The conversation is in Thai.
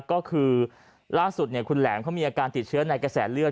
ก็คือล่าสุดคุณแหลมเขามีอาการติดเชื้อในกระแสเลือด